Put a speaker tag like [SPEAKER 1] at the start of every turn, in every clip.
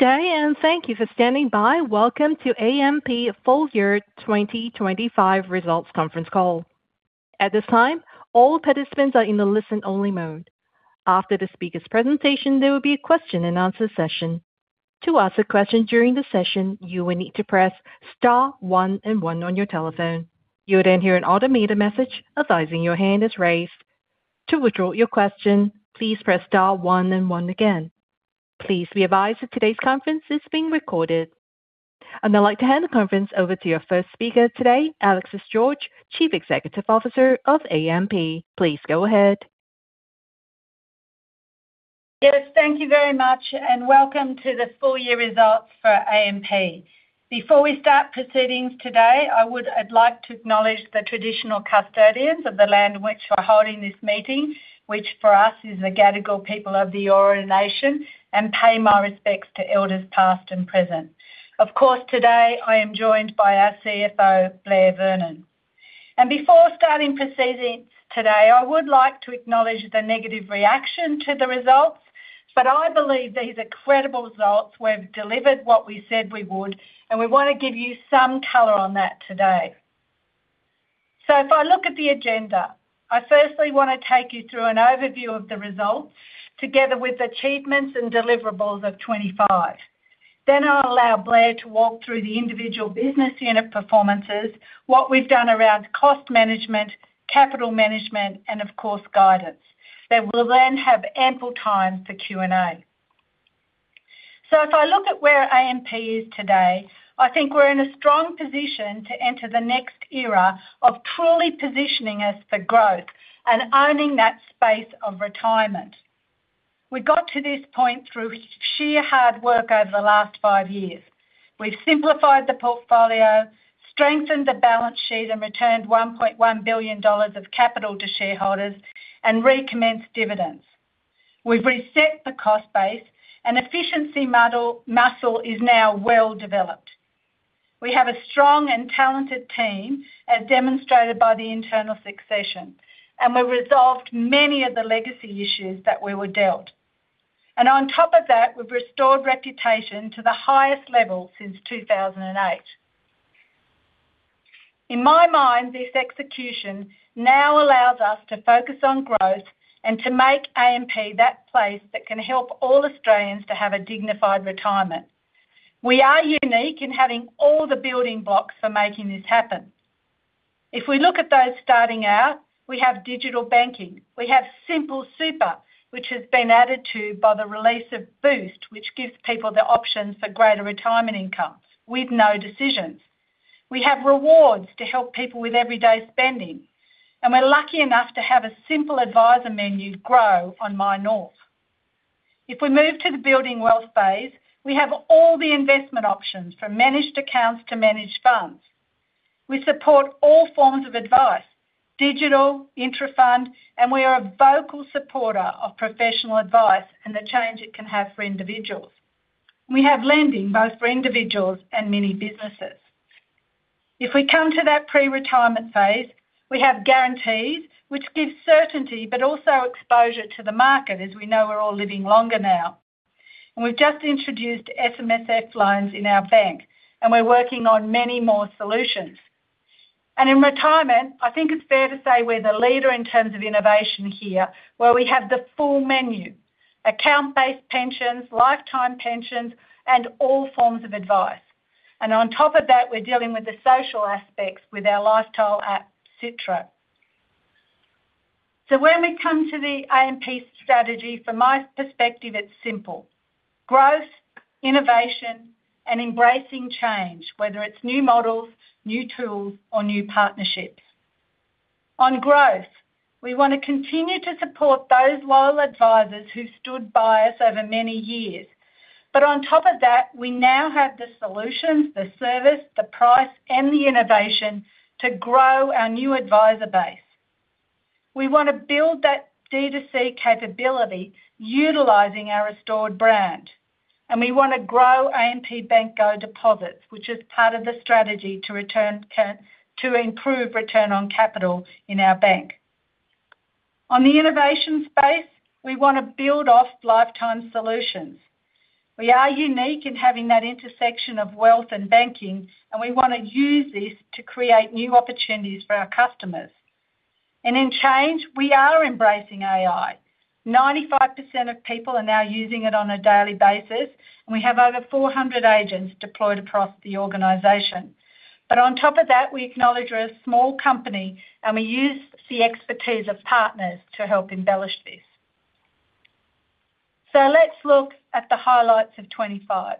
[SPEAKER 1] Good day, and thank you for standing by. Welcome to AMP's Full Year 2025 results conference call. At this time, all participants are in the listen-only mode. After the speaker's presentation, there will be a question-and-answer session. To ask a question during the session, you will need to press star one and one on your telephone. You will then hear an automated message advising your hand is raised. To withdraw your question, please press star one and one again. Please be advised that today's conference is being recorded. I'd like to hand the conference over to our first speaker today, Alexis George, Chief Executive Officer of AMP. Please go ahead.
[SPEAKER 2] Yes, thank you very much, and welcome to the full year results for AMP. Before we start proceedings today, I would like to acknowledge the traditional custodians of the land in which we're holding this meeting, which for us is the Gadigal people of the Eora Nation, and pay my respects to elders past and present. Of course, today I am joined by our CFO, Blair Vernon. Before starting proceedings today, I would like to acknowledge the negative reaction to the results, but I believe these are credible results. We've delivered what we said we would, and we want to give you some color on that today. If I look at the agenda, I firstly want to take you through an overview of the results together with achievements and deliverables of 2025. Then I'll allow Blair to walk through the individual business unit performances, what we've done around cost management, capital management, and of course guidance. They will then have ample time for Q&A. So if I look at where AMP is today, I think we're in a strong position to enter the next era of truly positioning us for growth and owning that space of retirement. We got to this point through sheer hard work over the last five years. We've simplified the portfolio, strengthened the balance sheet, and returned 1.1 billion dollars of capital to shareholders and recommenced dividends. We've reset the cost base, and efficiency muscle is now well developed. We have a strong and talented team, as demonstrated by the internal succession, and we've resolved many of the legacy issues that we were dealt. And on top of that, we've restored reputation to the highest level since 2008. In my mind, this execution now allows us to focus on growth and to make AMP that place that can help all Australians to have a dignified retirement. We are unique in having all the building blocks for making this happen. If we look at those starting out, we have digital banking. We have Simple Super, which has been added to by the release of Boost, which gives people the option for greater retirement incomes with no decisions. We have rewards to help people with everyday spending, and we're lucky enough to have a simple advisor menu grow on MyNorth. If we move to the building wealth phase, we have all the investment options from managed accounts to managed funds. We support all forms of advice: digital, intra-fund, and we are a vocal supporter of professional advice and the change it can have for individuals. We have lending both for individuals and micro-businesses. If we come to that pre-retirement phase, we have guarantees, which give certainty but also exposure to the market, as we know we're all living longer now. We've just introduced SMSF loans in our bank, and we're working on many more solutions. In retirement, I think it's fair to say we're the leader in terms of innovation here, where we have the full menu: account-based pensions, lifetime pensions, and all forms of advice. On top of that, we're dealing with the social aspects with our lifestyle app, Sitra. When we come to the AMP strategy, from my perspective, it's simple: growth, innovation, and embracing change, whether it's new models, new tools, or new partnerships. On growth, we want to continue to support those loyal advisors who stood by us over many years. But on top of that, we now have the solutions, the service, the price, and the innovation to grow our new advisor base. We want to build that D2C capability utilizing our restored brand, and we want to grow AMP Bank Go deposits, which is part of the strategy to improve return on capital in our bank. On the innovation space, we want to build off lifetime solutions. We are unique in having that intersection of wealth and banking, and we want to use this to create new opportunities for our customers. And in change, we are embracing AI. 95% of people are now using it on a daily basis, and we have over 400 agents deployed across the organization. But on top of that, we acknowledge we're a small company, and we use the expertise of partners to help embellish this. So let's look at the highlights of 2025.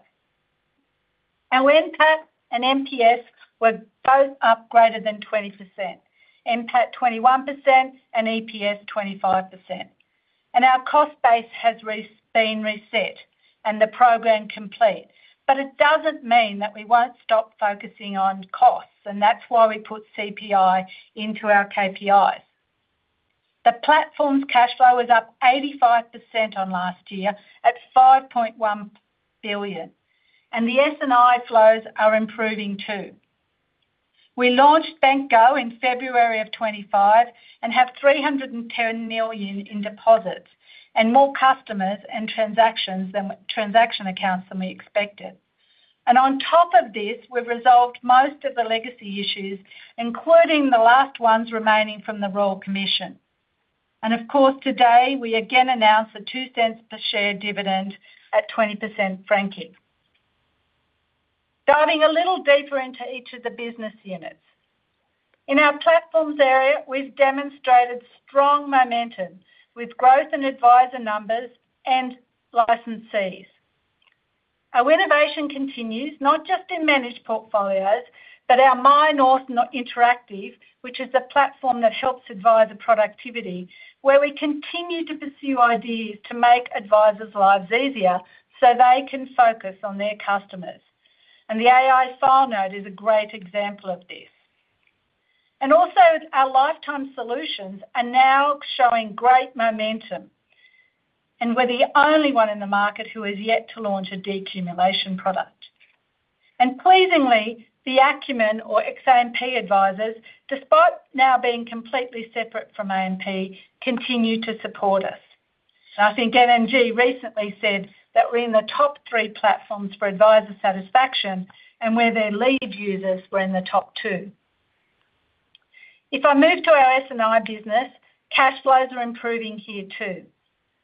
[SPEAKER 2] Our NPAT and EPS were both up greater than 20%: NPAT 21% and EPS 25%. Our cost base has been reset and the program complete. But it doesn't mean that we won't stop focusing on costs, and that's why we put CPI into our KPIs. The platform's cash flow was up 85% on last year at 5.1 billion, and the S&I flows are improving too. We launched Bank Go in February of 2025 and have 310 million in deposits and more customers and transaction accounts than we expected. On top of this, we've resolved most of the legacy issues, including the last ones remaining from the Royal Commission. Of course, today we again announce a 0.02 per share dividend at 20% franking. Diving a little deeper into each of the business units. In our platforms area, we've demonstrated strong momentum with growth in advisor numbers and licensees. Our innovation continues not just in managed portfolios, but our MyNorth Interactive, which is the platform that helps advisor productivity, where we continue to pursue ideas to make advisors' lives easier so they can focus on their customers. The AI file note is a great example of this. Also, our lifetime solutions are now showing great momentum and we're the only one in the market who has yet to launch a decumulation product. Pleasingly, the Acumen or ex-AMP advisors, despite now being completely separate from AMP, continue to support us. I think NMG recently said that we're in the top three platforms for advisor satisfaction and where their lead users were in the top two. If I move to our S&I business, cash flows are improving here too.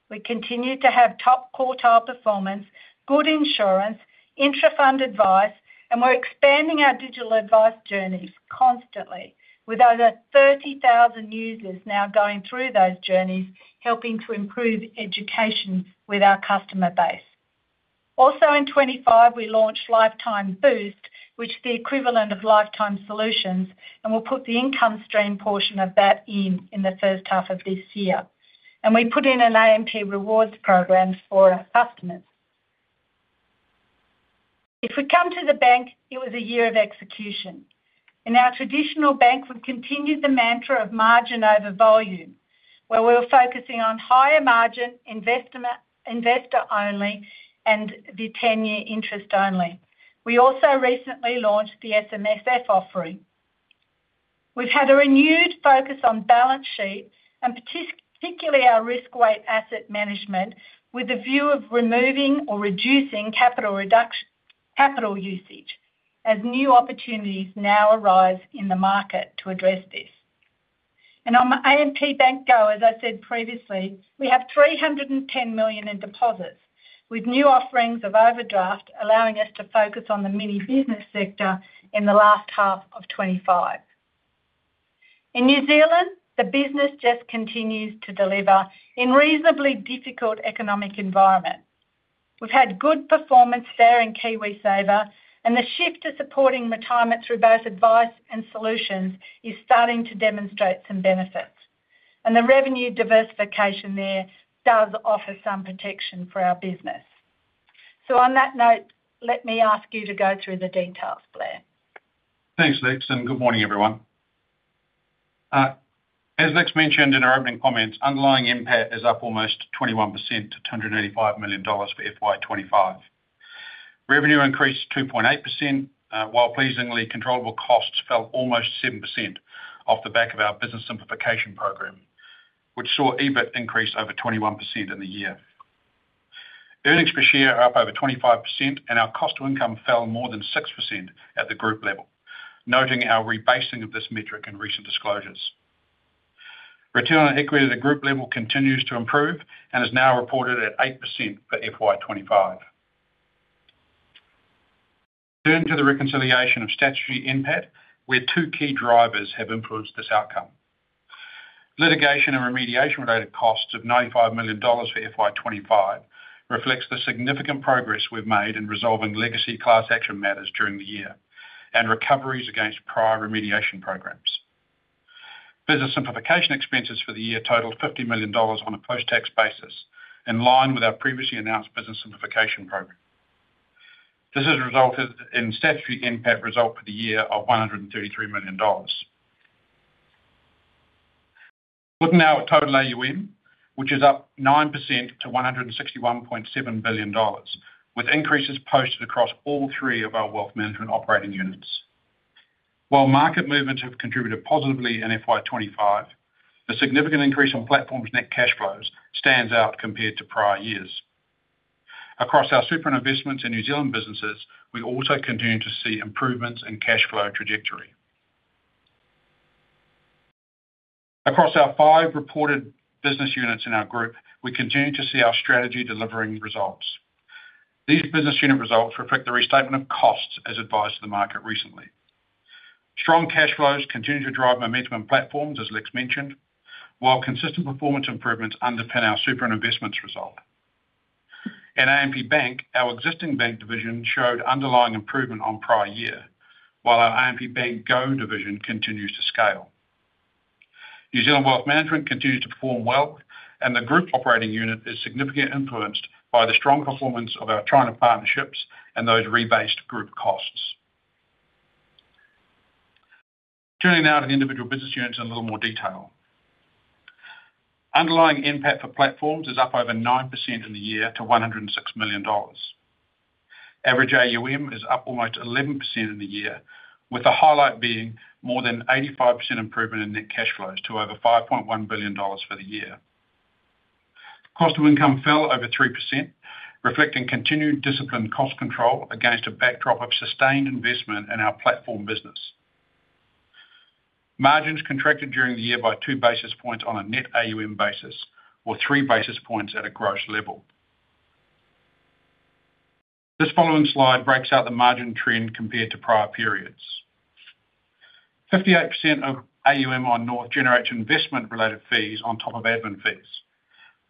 [SPEAKER 2] We continue to have top quartile performance, good insurance, intra-fund advice, and we're expanding our digital advice journeys constantly, with over 30,000 users now going through those journeys helping to improve education with our customer base. Also in 2025, we launched Lifetime Boost, which is the equivalent of Lifetime Solutions, and we'll put the income stream portion of that in the first half of this year. We put in an AMP Rewards program for our customers. If we come to the bank, it was a year of execution. In our traditional bank, we've continued the mantra of margin over volume, where we're focusing on higher margin, investor-only, and the 10-year interest only. We also recently launched the SMSF offering. We've had a renewed focus on balance sheet and particularly our risk-weighted asset management with the view of removing or reducing capital usage as new opportunities now arise in the market to address this. On AMP Bank Go, as I said previously, we have 310 million in deposits with new offerings of overdraft allowing us to focus on the mini-business sector in the last half of 2025. In New Zealand, the business just continues to deliver in a reasonably difficult economic environment. We've had good performance there in KiwiSaver, and the shift to supporting retirement through both advice and solutions is starting to demonstrate some benefits. The revenue diversification there does offer some protection for our business. So on that note, let me ask you to go through the details, Blair.
[SPEAKER 3] Thanks, Lex, and good morning, everyone. As Lex mentioned in her opening comments, underlying impact is up almost 21% to 285 million dollars for FY 2025. Revenue increased 2.8%, while pleasingly controllable costs fell almost 7% off the back of our business simplification program, which saw EBIT increase over 21% in the year. Earnings per share are up over 25%, and our cost to income fell more than 6% at the group level, noting our rebasing of this metric in recent disclosures. Return on equity at the group level continues to improve and is now reported at 8% for FY 2025. Turn to the reconciliation of strategy impact, where two key drivers have influenced this outcome. Litigation and remediation-related costs of 95 million dollars for FY 2025 reflects the significant progress we've made in resolving legacy class action matters during the year and recoveries against prior remediation programs. Business simplification expenses for the year totaled 50 million dollars on a post-tax basis, in line with our previously announced business simplification program. This has resulted in strategy impact result for the year of 133 million dollars. Looking now at total AUM, which is up 9% to 161.7 billion dollars, with increases posted across all three of our wealth management operating units. While market movements have contributed positively in FY 2025, the significant increase in platforms' net cash flows stands out compared to prior years. Across our super investments in New Zealand businesses, we also continue to see improvements in cash flow trajectory. Across our five reported business units in our group, we continue to see our strategy delivering results. These business unit results reflect the restatement of costs as advised to the market recently. Strong cash flows continue to drive momentum in platforms, as Lex mentioned, while consistent performance improvements underpin our super investments result. In AMP Bank, our existing bank division showed underlying improvement on prior year, while our AMP Bank Go division continues to scale. New Zealand wealth management continues to perform well, and the group operating unit is significantly influenced by the strong performance of our China partnerships and those rebased group costs. Turning now to the individual business units in a little more detail. Underlying impact for platforms is up over 9% in the year to 106 million dollars. Average AUM is up almost 11% in the year, with the highlight being more than 85% improvement in net cash flows to over 5.1 billion dollars for the year. Cost to income fell over 3%, reflecting continued disciplined cost control against a backdrop of sustained investment in our platform business. Margins contracted during the year by two basis points on a net AUM basis, or three basis points at a gross level. This following slide breaks out the margin trend compared to prior periods. 58% of AUM on North generates investment-related fees on top of admin fees,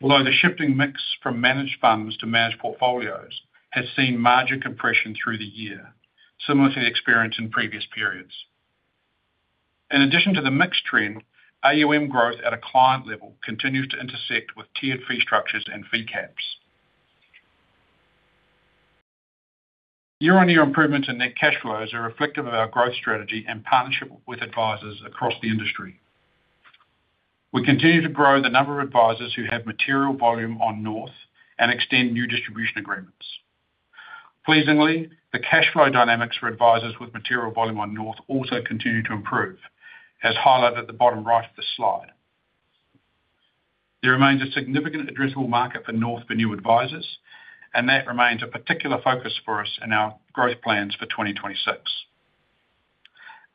[SPEAKER 3] although the shifting mix from managed funds to managed portfolios has seen margin compression through the year, similar to the experience in previous periods. In addition to the mixed trend, AUM growth at a client level continues to intersect with tiered fee structures and fee caps. Year-on-year improvements in net cash flows are reflective of our growth strategy and partnership with advisors across the industry. We continue to grow the number of advisors who have material volume on North and extend new distribution agreements. Pleasingly, the cash flow dynamics for advisors with material volume on North also continue to improve, as highlighted at the bottom right of the slide. There remains a significant addressable market for North for new advisors, and that remains a particular focus for us in our growth plans for 2026.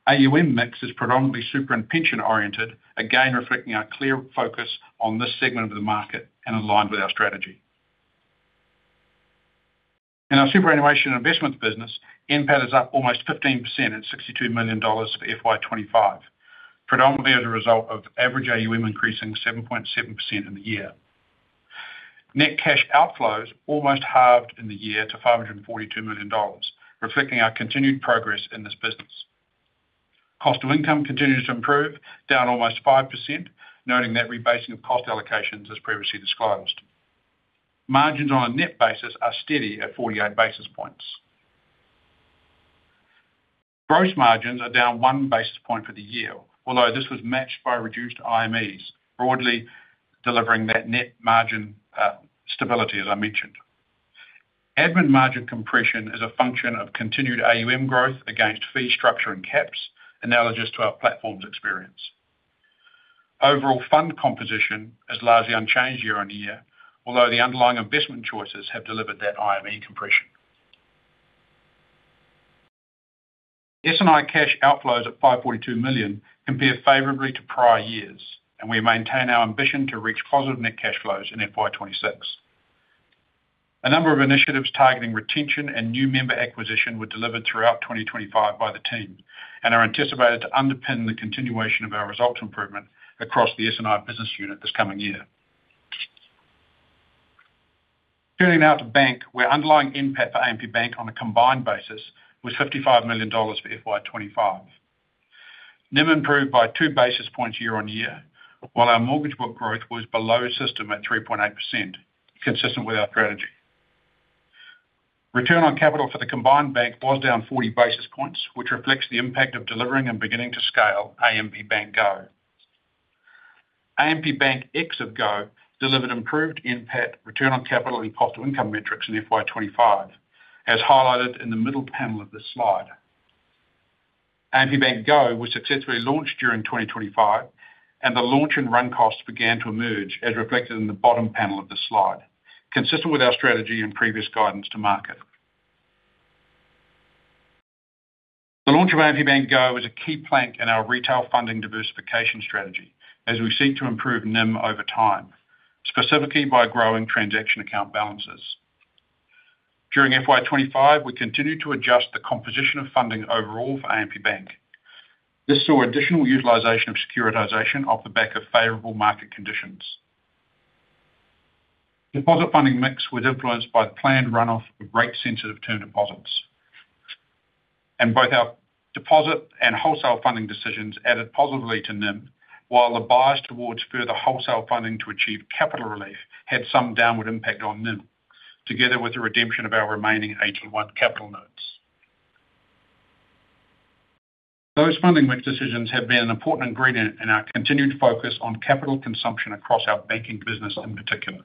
[SPEAKER 3] AUM mix is predominantly super and pension-oriented, again reflecting our clear focus on this segment of the market and aligned with our strategy. In our superannuation investments business, NPAT is up almost 15% at 62 million dollars for FY 2025, predominantly as a result of average AUM increasing 7.7% in the year. Net cash outflows almost halved in the year to 542 million dollars, reflecting our continued progress in this business. Cost to income continues to improve, down almost 5%, noting that rebasing of cost allocations as previously disclosed. Margins on a net basis are steady at 48 basis points. Gross margins are down one basis point for the year, although this was matched by reduced IMEs, broadly delivering that net margin stability, as I mentioned. Admin margin compression is a function of continued AUM growth against fee structure and caps, analogous to our platform's experience. Overall fund composition is largely unchanged year-on-year, although the underlying investment choices have delivered that IME compression. S&I cash outflows at 542 million compare favorably to prior years, and we maintain our ambition to reach positive net cash flows in FY 2026. A number of initiatives targeting retention and new member acquisition were delivered throughout 2025 by the team and are anticipated to underpin the continuation of our result improvement across the S&I business unit this coming year. Turning now to bank, where underlying impact for AMP Bank on a combined basis was 55 million dollars for FY 2025. NIM improved by two basis points year-on-year, while our mortgage book growth was below system at 3.8%, consistent with our strategy. Return on capital for the combined bank was down 40 basis points, which reflects the impact of delivering and beginning to scale AMP Bank Go. AMP Bank Go delivered improved return on capital and cost-to-income metrics in FY 2025, as highlighted in the middle panel of this slide. AMP Bank Go was successfully launched during 2025, and the launch and run costs began to emerge, as reflected in the bottom panel of this slide, consistent with our strategy and previous guidance to market. The launch of AMP Bank Go was a key plank in our retail funding diversification strategy, as we seek to improve NIM over time, specifically by growing transaction account balances. During FY 2025, we continued to adjust the composition of funding overall for AMP Bank. This saw additional utilization of securitization off the back of favorable market conditions. Deposit funding mix was influenced by the planned run-off of rate-sensitive term deposits. Both our deposit and wholesale funding decisions added positively to NIM, while the bias towards further wholesale funding to achieve capital relief had some downward impact on NIM, together with the redemption of our remaining AT1 capital notes. Those funding mix decisions have been an important ingredient in our continued focus on capital consumption across our banking business in particular.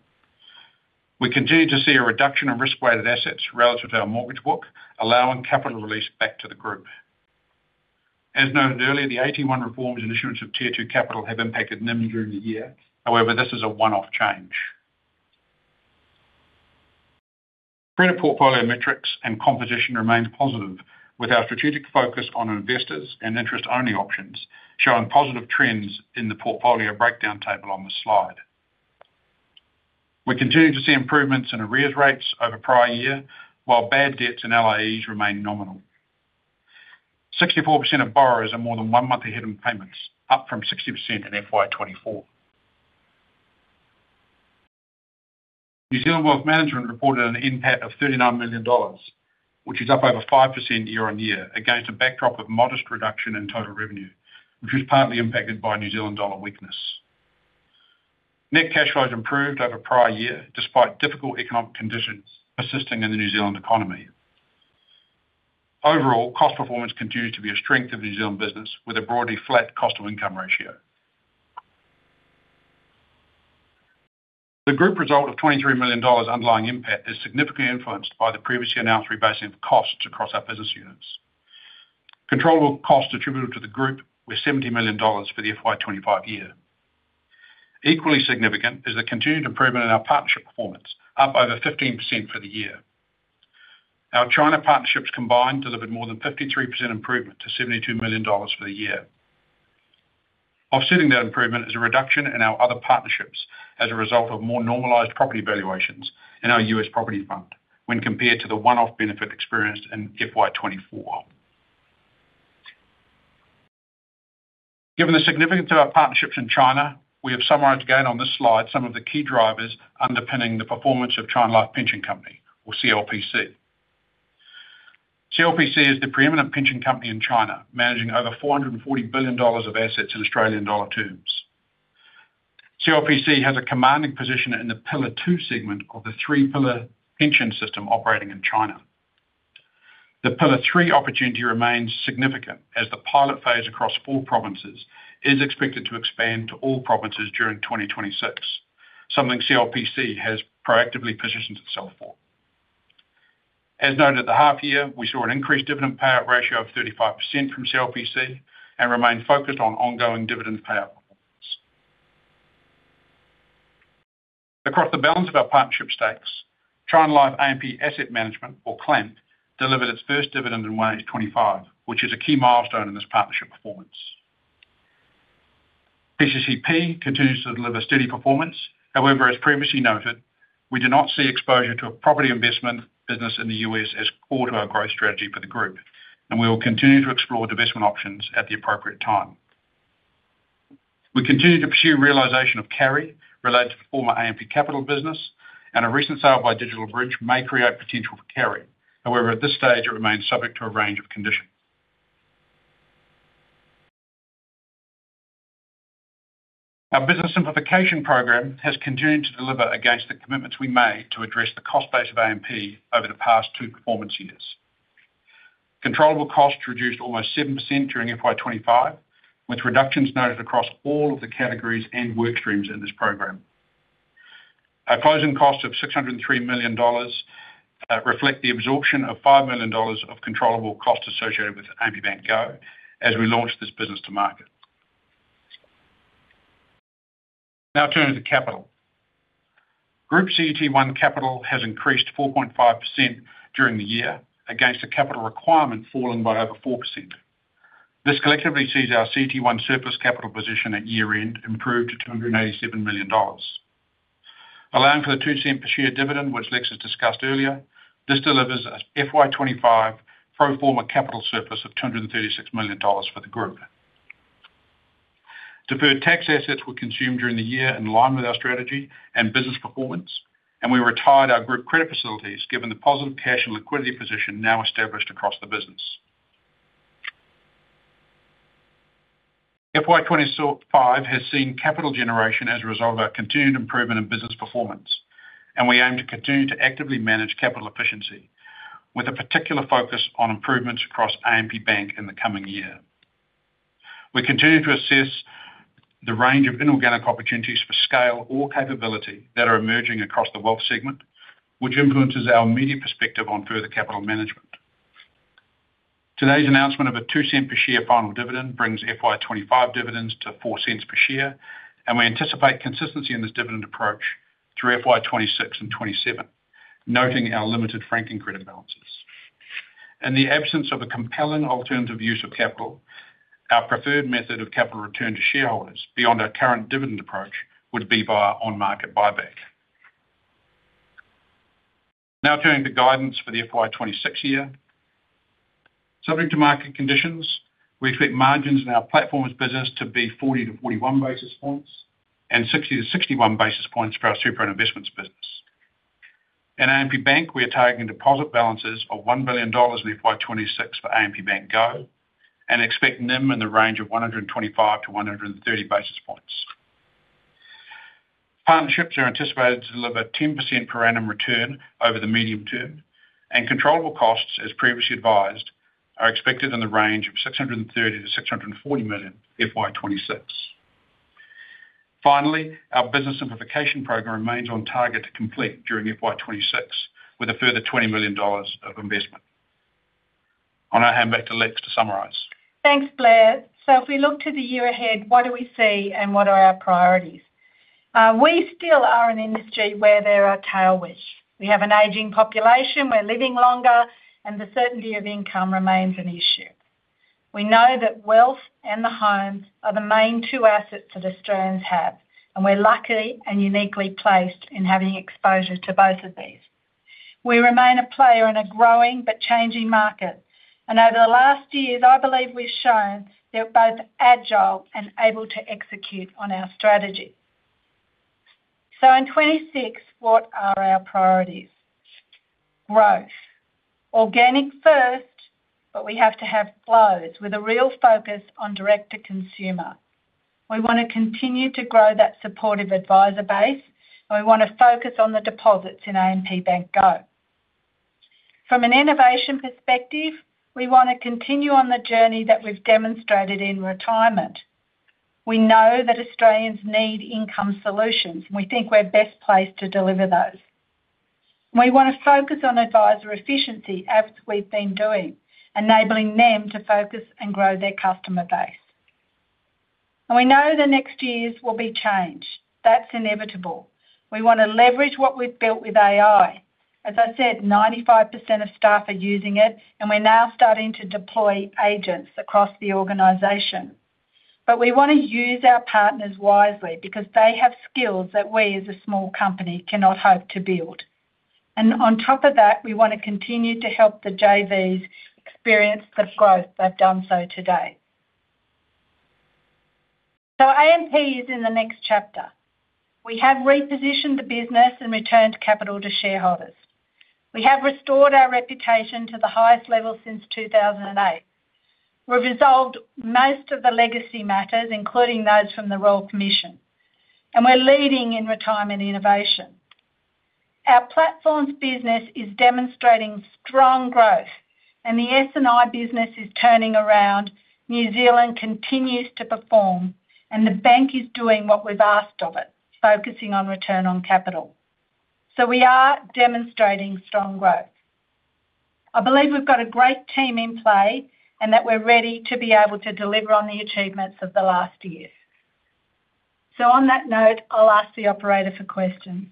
[SPEAKER 3] We continue to see a reduction in risk-weighted assets relative to our mortgage book, allowing capital release back to the group. As noted earlier, the AT1 reforms and issuance of Tier 2 capital have impacted NIM during the year. However, this is a one-off change. Credit portfolio metrics and composition remained positive, with our strategic focus on investors and interest-only options showing positive trends in the portfolio breakdown table on this slide. We continue to see improvements in arrears rates over prior year, while bad debts and LMI remain nominal. 64% of borrowers are more than one month ahead in payments, up from 60% in FY 2024. New Zealand wealth management reported an impact of 39 million dollars, which is up over 5% year-on-year, against a backdrop of modest reduction in total revenue, which was partly impacted by New Zealand dollar weakness. Net cash flows improved over prior year despite difficult economic conditions persisting in the New Zealand economy. Overall, cost performance continues to be a strength of New Zealand business, with a broadly flat cost to income ratio. The group result of 23 million underlying impact is significantly influenced by the previously announced rebasing of costs across our business units. Controllable costs attributed to the group were 70 million dollars for the FY 2025 year. Equally significant is the continued improvement in our partnership performance, up over 15% for the year. Our China partnerships combined delivered more than 53% improvement to 72 million dollars for the year. Offsetting that improvement is a reduction in our other partnerships as a result of more normalized property valuations in our U.S. property fund when compared to the one-off benefit experienced in FY 2024. Given the significance of our partnerships in China, we have summarized again on this slide some of the key drivers underpinning the performance of China Life Pension Company, or CLPC. CLPC is the preeminent pension company in China, managing over 440 billion dollars of assets in Australian dollar terms. CLPC has a commanding position in the Pillar Two segment of the three-pillar pension system operating in China. The pillar three opportunity remains significant, as the pilot phase across 4 provinces is expected to expand to all provinces during 2026, something CLPC has proactively positioned itself for. As noted at the half-year, we saw an increased dividend payout ratio of 35% from CLPC and remain focused on ongoing dividend payout performance. Across the balance of our partnership stakes, China Life AMP Asset Management, or CLAMP, delivered its first dividend in 2025, which is a key milestone in this partnership performance. PCCP continues to deliver steady performance. However, as previously noted, we do not see exposure to a property investment business in the U.S. as core to our growth strategy for the group. And we will continue to explore divestment options at the appropriate time. We continue to pursue realization of carry related to the former AMP Capital business, and a recent sale by DigitalBridge may create potential for carry. However, at this stage, it remains subject to a range of conditions. Our business simplification program has continued to deliver against the commitments we made to address the cost base of AMP over the past two performance years. Controllable costs reduced almost 7% during FY 2025, with reductions noted across all of the categories and workstreams in this program. Our closing costs of 603 million dollars reflect the absorption of 5 million dollars of controllable costs associated with AMP Bank Go as we launched this business to market. Now turning to capital. Group CET1 capital has increased 4.5% during the year against a capital requirement falling by over 4%. This collectively sees our CET1 surplus capital position at year-end improved to 287 million dollars. Allowing for the 0.02 per share dividend, which Lex has discussed earlier, this delivers a FY 2025 pro forma capital surplus of 236 million dollars for the group. Deferred tax assets were consumed during the year in line with our strategy and business performance, and we retired our group credit facilities given the positive cash and liquidity position now established across the business. FY 2025 has seen capital generation as a result of our continued improvement in business performance, and we aim to continue to actively manage capital efficiency, with a particular focus on improvements across AMP Bank in the coming year. We continue to assess the range of inorganic opportunities for scale or capability that are emerging across the wealth segment, which influences our immediate perspective on further capital management. Today's announcement of a 0.02 per share final dividend brings FY 2025 dividends to 0.04 per share, and we anticipate consistency in this dividend approach through FY 2026 and FY 2027, noting our limited franking credit balances. In the absence of a compelling alternative use of capital, our preferred method of capital return to shareholders beyond our current dividend approach would be via on-market buyback. Now turning to guidance for the FY 2026 year. Subject to market conditions, we expect margins in our platforms business to be 40-41 basis points and 60-61 basis points for our super investments business. In AMP Bank, we are targeting deposit balances of 1 billion dollars in FY 2026 for AMP Bank Go and expect NIM in the range of 125-130 basis points. Partnerships are anticipated to deliver 10% per annum return over the medium term, and controllable costs, as previously advised, are expected in the range of 630-640 million FY 2026. Finally, our business simplification program remains on target to complete during FY 2026 with a further 20 million dollars of investment. I'll now hand back to Lex to summarize.
[SPEAKER 2] Thanks, Blair. If we look to the year ahead, what do we see and what are our priorities? We still are an industry where there are tailwinds. We have an aging population. We're living longer, and the certainty of income remains an issue. We know that wealth and the home are the main two assets that Australians have, and we're lucky and uniquely placed in having exposure to both of these. We remain a player in a growing but changing market, and over the last years, I believe we've shown that we're both agile and able to execute on our strategy. So in 2026, what are our priorities? Growth. Organic first, but we have to have flows with a real focus on direct-to-consumer. We want to continue to grow that supportive advisor base, and we want to focus on the deposits in AMP Bank Go. From an innovation perspective, we want to continue on the journey that we've demonstrated in retirement. We know that Australians need income solutions, and we think we're best placed to deliver those. We want to focus on advisor efficiency, as we've been doing, enabling them to focus and grow their customer base. And we know the next years will be change. That's inevitable. We want to leverage what we've built with AI. As I said, 95% of staff are using it, and we're now starting to deploy agents across the organization. But we want to use our partners wisely because they have skills that we, as a small company, cannot hope to build. And on top of that, we want to continue to help the JVs experience the growth they've done so to date. So AMP is in the next chapter. We have repositioned the business and returned capital to shareholders. We have restored our reputation to the highest level since 2008. We've resolved most of the legacy matters, including those from the Royal Commission, and we're leading in retirement innovation. Our platforms business is demonstrating strong growth, and the S&I business is turning around. New Zealand continues to perform, and the bank is doing what we've asked of it, focusing on return on capital. So we are demonstrating strong growth. I believe we've got a great team in play and that we're ready to be able to deliver on the achievements of the last year. So on that note, I'll ask the operator for questions.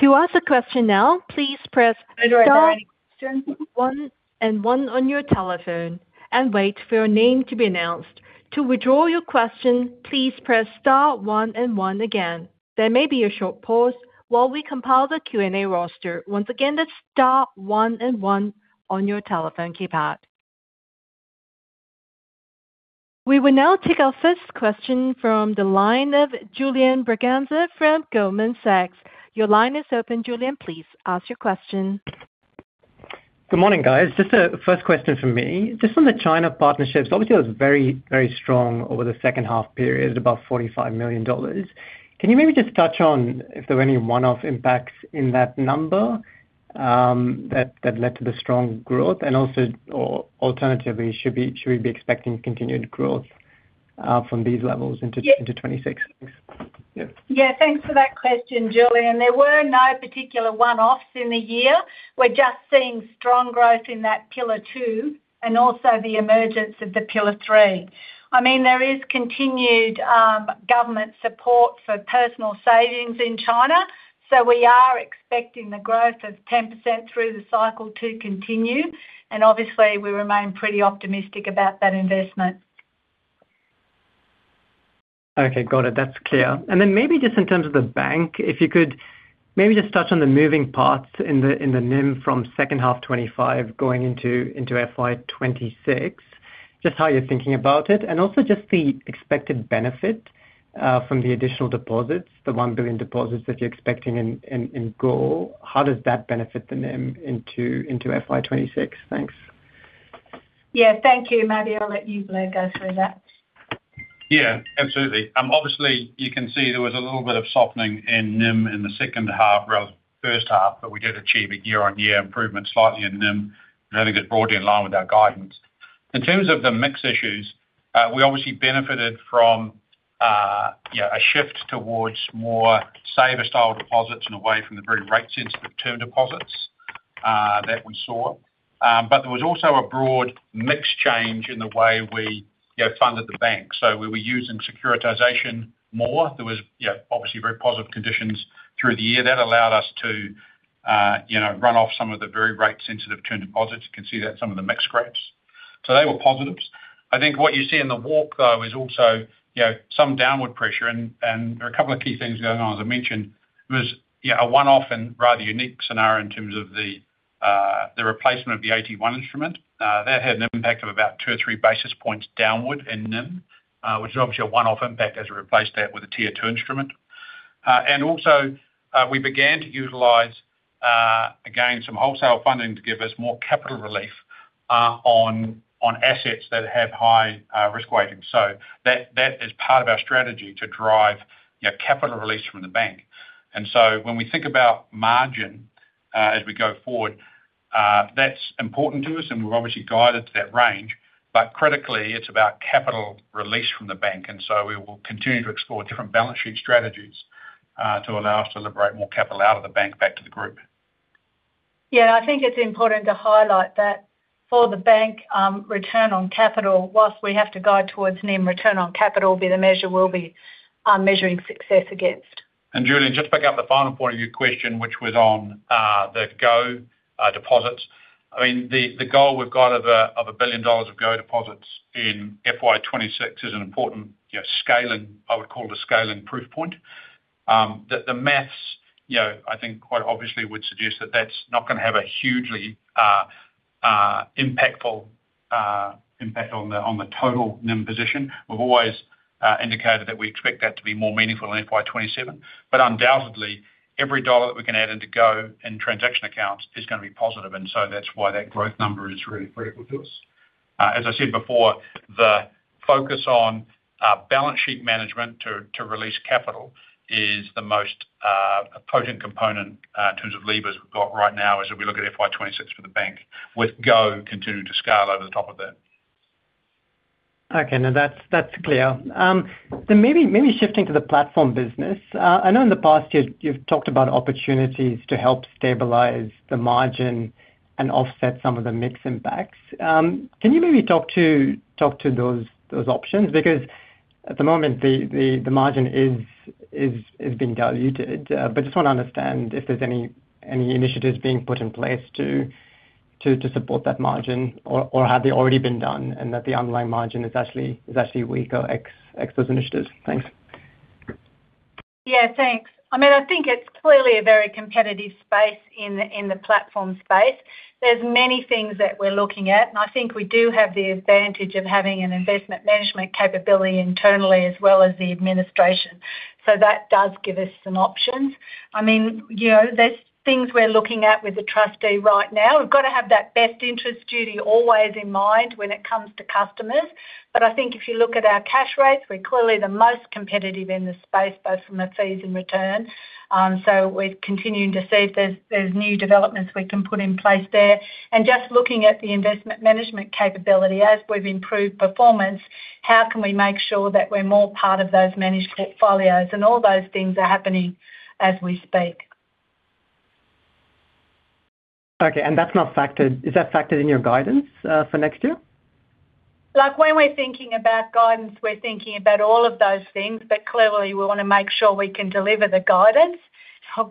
[SPEAKER 1] To ask a question now, please press star one and one on your telephone and wait for your name to be announced. To withdraw your question, please press star one and one again. There may be a short pause. While we compile the Q&A roster, once again, that's star one and one on your telephone keypad. We will now take our first question from the line of Julian Braganza from Goldman Sachs. Your line is open, Julian. Please ask your question.
[SPEAKER 4] Good morning, guys. Just a first question from me. Just on the China partnerships, obviously, it was very, very strong over the second-half period at about 45 million dollars. Can you maybe just touch on if there were any one-off impacts in that number that led to the strong growth? And also, alternatively, should we be expecting continued growth from these levels into 2026? Thanks.
[SPEAKER 2] Yeah. Thanks for that question, Julian. There were no particular one-offs in the year. We're just seeing strong growth in that Pillar Two and also the emergence of the Pillar Three. I mean, there is continued government support for personal savings in China, so we are expecting the growth of 10% through the cycle to continue. And obviously, we remain pretty optimistic about that investment.
[SPEAKER 4] Okay. Got it. That's clear. And then maybe just in terms of the bank, if you could maybe just touch on the moving parts in the NIM from second-half 2025 going into FY 2026, just how you're thinking about it, and also just the expected benefit from the additional deposits, the 1 billion deposits that you're expecting in Go, how does that benefit the NIM into FY 2026? Thanks.
[SPEAKER 2] Yeah. Thank you, Maddie. I'll let you, Blair, go through that.
[SPEAKER 3] Yeah. Absolutely. Obviously, you can see there was a little bit of softening in NIM in the second half rather than first half, but we did achieve a year-on-year improvement slightly in NIM, which I think is broadly in line with our guidance. In terms of the mix issues, we obviously benefited from a shift towards more saver-style deposits and away from the very rate-sensitive term deposits that we saw. But there was also a broad mix change in the way we funded the bank. So we were using securitization more. There was obviously very positive conditions through the year that allowed us to run off some of the very rate-sensitive term deposits. You can see that in some of the mix shifts. So they were positives. I think what you see in the walk, though, is also some downward pressure. And there are a couple of key things going on. As I mentioned, it was a one-off and rather unique scenario in terms of the replacement of the AT1 instrument. That had an impact of about 2 or 3 basis points downward in NIM, which is obviously a one-off impact as we replaced that with a Tier 2 instrument. Also, we began to utilize, again, some wholesale funding to give us more capital relief on assets that have high risk weighting. So that is part of our strategy to drive capital release from the bank. When we think about margin as we go forward, that's important to us, and we're obviously guided to that range. But critically, it's about capital release from the bank. We will continue to explore different balance sheet strategies to allow us to liberate more capital out of the bank back to the group.
[SPEAKER 2] Yeah. I think it's important to highlight that for the bank, return on capital, while we have to guide towards NIM, return on capital will be the measure we'll be measuring success against.
[SPEAKER 3] And Julian, just to pick up the final point of your question, which was on the Go deposits, I mean, the goal we've got of 1 billion dollars of Go deposits in FY 2026 is an important scaling, I would call it, a scaling proof point. The math, I think, quite obviously would suggest that that's not going to have a hugely impactful impact on the total NIM position. We've always indicated that we expect that to be more meaningful in FY 2027. But undoubtedly, every dollar that we can add into Go in transaction accounts is going to be positive. And so that's why that growth number is really critical to us. As I said before, the focus on balance sheet management to release capital is the most potent component in terms of levers we've got right now as we look at FY 2026 for the bank, with go continuing to scale over the top of that.
[SPEAKER 4] Okay. No, that's clear. Then maybe shifting to the platform business. I know in the past, you've talked about opportunities to help stabilize the margin and offset some of the mix impacts. Can you maybe talk to those options? Because at the moment, the margin is being diluted. But I just want to understand if there's any initiatives being put in place to support that margin or have they already been done and that the underlying margin is actually weaker, ex those initiatives? Thanks.
[SPEAKER 2] Yeah. Thanks. I mean, I think it's clearly a very competitive space in the platform space. There's many things that we're looking at, and I think we do have the advantage of having an investment management capability internally as well as the administration. So that does give us some options. I mean, there's things we're looking at with the trustee right now. We've got to have that best interest duty always in mind when it comes to customers. But I think if you look at our cash rates, we're clearly the most competitive in the space, both from the fees and return. So we're continuing to see if there's new developments we can put in place there. And just looking at the investment management capability, as we've improved performance, how can we make sure that we're more part of those managed portfolios? And all those things are happening as we speak.
[SPEAKER 4] Okay. And that's not factored. Is that factored in your guidance for next year?
[SPEAKER 2] When we're thinking about guidance, we're thinking about all of those things. But clearly, we want to make sure we can deliver the guidance.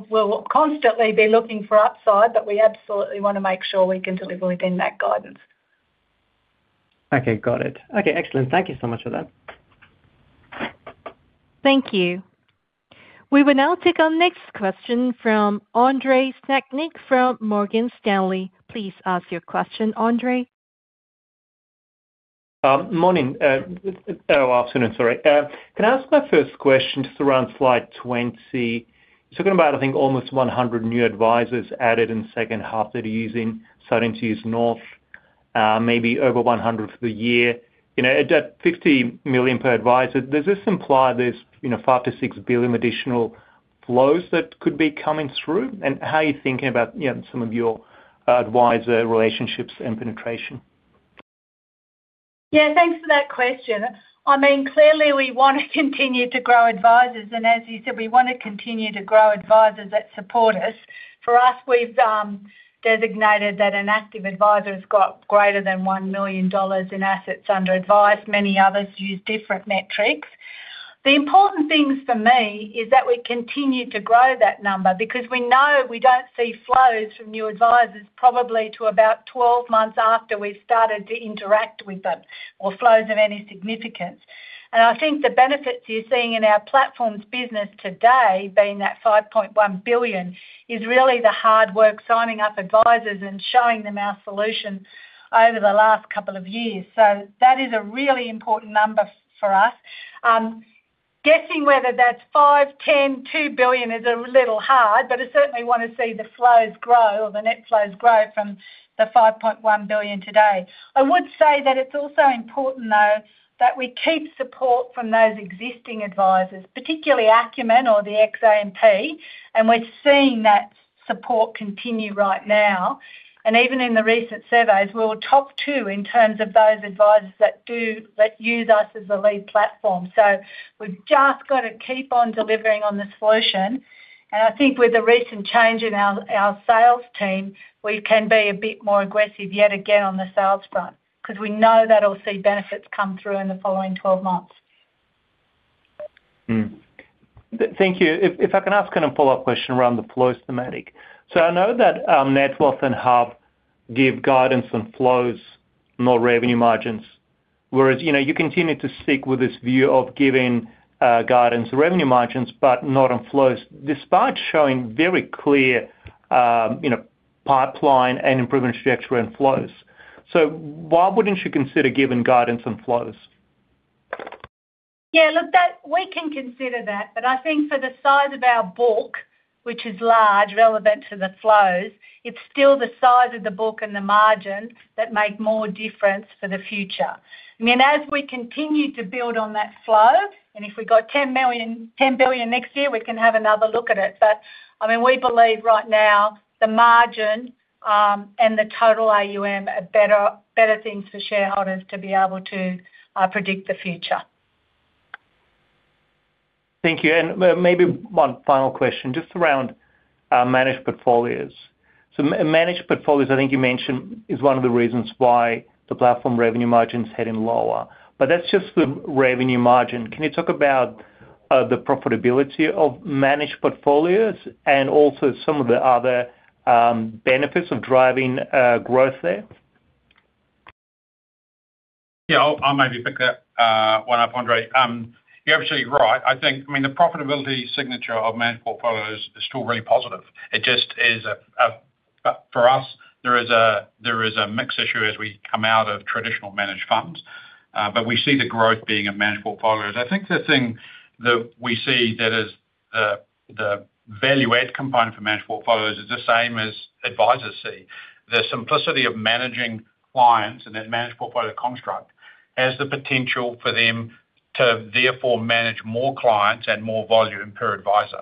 [SPEAKER 2] We'll constantly be looking for upside, but we absolutely want to make sure we can deliver within that guidance.
[SPEAKER 4] Okay. Got it. Okay. Excellent. Thank you so much for that.
[SPEAKER 1] Thank you. We will now take our next question from Andrei Stadnik from Morgan Stanley. Please ask your question, Andrei.
[SPEAKER 5] Morning. Oh, afternoon. Sorry. Can I ask my first question just around slide 20? You're talking about, I think, almost 100 new advisors added in second half that are starting to use North, maybe over 100 for the year. At 50 million per advisor, does this imply there's 5-6 billion additional flows that could be coming through? And how are you thinking about some of your advisor relationships and penetration?
[SPEAKER 2] Yeah. Thanks for that question. I mean, clearly, we want to continue to grow advisors. As you said, we want to continue to grow advisors that support us. For us, we've designated that an active advisor has got greater than 1 million dollars in assets under advice. Many others use different metrics. The important things for me is that we continue to grow that number because we know we don't see flows from new advisors probably to about 12 months after we've started to interact with them or flows of any significance. I think the benefits you're seeing in our platforms business today, being that 5.1 billion, is really the hard work signing up advisors and showing them our solution over the last couple of years. That is a really important number for us. Guessing whether thats 5 billion, 10 billion, 2 billion is a little hard, but I certainly want to see the flows grow or the net flows grow from the 5.1 billion today. I would say that it's also important, though, that we keep support from those existing advisors, particularly Acumen or the ex-AMP, and we're seeing that support continue right now. And even in the recent surveys, we're top two in terms of those advisors that use us as a lead platform. So we've just got to keep on delivering on the solution. And I think with the recent change in our sales team, we can be a bit more aggressive yet again on the sales front because we know that we'll see benefits come through in the following 12 months.
[SPEAKER 5] Thank you. If I can ask kind of a follow-up question around the flows thematic. So I know that Netwealth and HUB24 give guidance on flows, not revenue margins, whereas you continue to stick with this view of giving guidance on revenue margins but not on flows, despite showing very clear pipeline and improvement structure and flows. So why wouldn't you consider giving guidance on flows?
[SPEAKER 2] Yeah. Look, we can consider that. But I think for the size of our book, which is large, relevant to the flows, it's still the size of the book and the margin that make more difference for the future. I mean, as we continue to build on that flow and if we got 10 billion next year, we can have another look at it. But I mean, we believe right now the margin and the total AUM are better things for shareholders to be able to predict the future.
[SPEAKER 5] Thank you. And maybe one final question just around managed portfolios. So managed portfolios, I think you mentioned, is one of the reasons why the platform revenue margins are heading lower. But that's just the revenue margin. Can you talk about the profitability of managed portfolios and also some of the other benefits of driving growth there?
[SPEAKER 3] Yeah. I'll maybe pick that one up, Andrei. You're absolutely right. I mean, the profitability signature of managed portfolios is still really positive. For us, there is a mix issue as we come out of traditional managed funds, but we see the growth being in managed portfolios. I think the thing that we see that is the value-add component for managed portfolios is the same as advisors see. The simplicity of managing clients and that managed portfolio construct has the potential for them to therefore manage more clients and more volume per advisor.